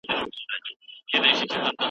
ملکیت یو طبیعي حق دی.